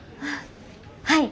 はい。